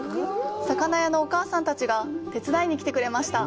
魚屋のお母さんたちが手伝いに来てくれました。